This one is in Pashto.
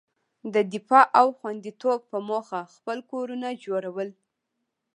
د دفاع او خوندیتوب په موخه خپل کورونه جوړول.